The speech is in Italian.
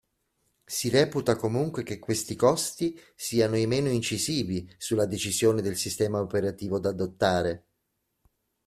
Si reputa comunque che questi costi siano i meno incisivi sulla decisione del sistema operativo da adottare.